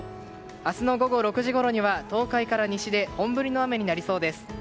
明日の午後６時ごろには東海から西で本降りの雨になりそうです。